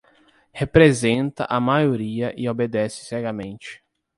Representa a maioria e obedece cegamente.